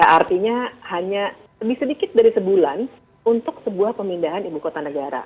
artinya hanya lebih sedikit dari sebulan untuk sebuah pemindahan ibu kota negara